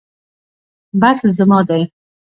بکس زما دی